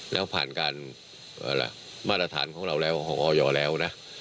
แล้วผ่านมาตรฐานของออยอร์แล้วนะ